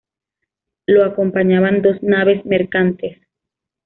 Lo acompañaban dos naves mercantes.